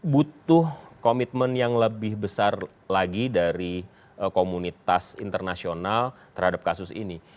butuh komitmen yang lebih besar lagi dari komunitas internasional terhadap kasus ini